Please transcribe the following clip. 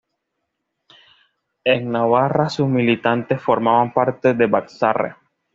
En Navarra sus militantes formaban parte de Batzarre.